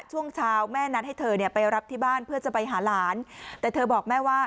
ช่วงเช้าแม่นัดให้เธอเนี่ยไปรับที่บ้านเพื่อจะไปหาหลานแต่เธอบอกแม่ว่า